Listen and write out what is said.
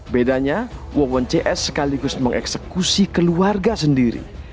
bedanya wawon cs sekaligus mengeksekusi keluarga sendiri